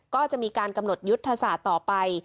ก็จะมีการกำหนดยุทธศาสตร์ต่อไป